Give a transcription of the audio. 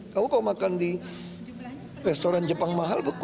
kalau kamu makan di restoran jepang mahal beku